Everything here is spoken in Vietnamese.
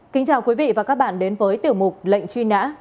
kính chào quý vị và các bạn đến với tiểu mục lệnh truy nã